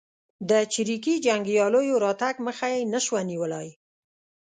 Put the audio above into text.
د چریکي جنګیالیو راتګ مخه یې نه شوه نیولای.